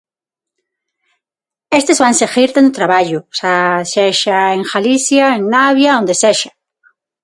Estes van seguir tendo traballo, xa sexa en Galicia, en Navia, onde sexa.